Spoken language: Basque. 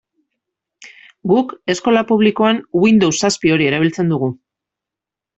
Guk, eskola publikoan, Windows zazpi hori erabiltzen dugu.